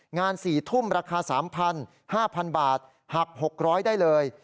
งาน๔ทุ่มราคา๓๐๐๕๐๐บาทหัก๖๐๐ได้เลย